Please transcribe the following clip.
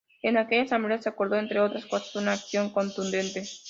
En aquella asamblea se acordó entre otras cosas una acción contundente.